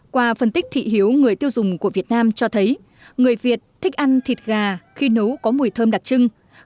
qua phân tích thị hiếu người tiêu dùng của việt nam cho thấy người việt thích ăn thịt gà khi nấu có mùi thơm đặc trưng